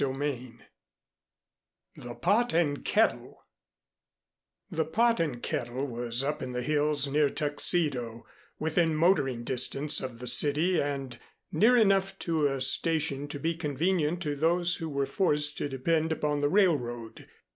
XVII "THE POT AND KETTLE" The "Pot and Kettle" was up in the hills near Tuxedo, within motoring distance of the city and near enough to a station to be convenient to those who were forced to depend upon the railroad.